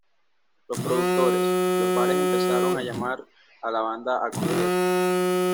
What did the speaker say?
Los productores, los bares empezaron a llamar a la banda a conciertos.